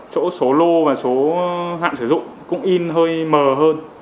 chỗ số lô và số hạn sử dụng cũng in hơi mờ hơn